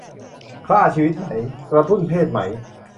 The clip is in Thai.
คร่าชีวิตไหม กระตุ้นเพศไหม